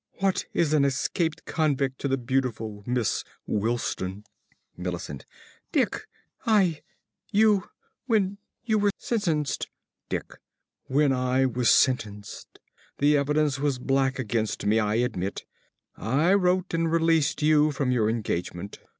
_) What is an escaped convict to the beautiful Miss Wilsdon? ~Millicent.~ Dick I you when you were sentenced ~Dick.~ When I was sentenced the evidence was black against me, I admit I wrote and released you from your engagement.